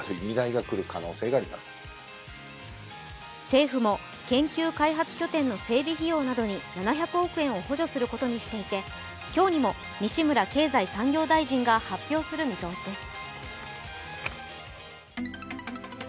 政府も研究開発拠点の整備費用などに７００億円を補助することにしていて今日にも西村経済産業大臣が発表する見通しです。